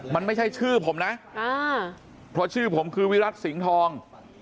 มันไม่ใช่ชื่อผมนะเพราะชื่อผมคือวิรัติสิงห์ทอง